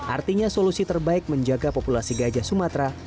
artinya solusi terbaik menjaga populasi gajah sumatera